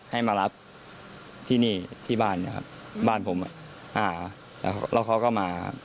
ให้มารับที่นี่ที่บ้านบ้านผมแล้วเขาก็มา